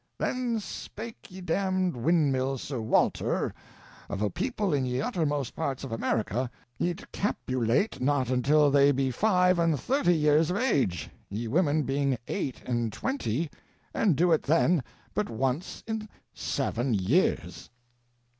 Then spake ye damned windmill, Sr Walter, of a people in ye uttermost parts of America, yt capulate not until they be five and thirty yeres of age, ye women being eight and twenty, and do it then but once in seven yeres.